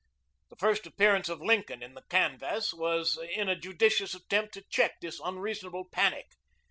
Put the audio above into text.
The first appearance of Lincoln in the canvass was in a judicious attempt to check this unreasonable panic.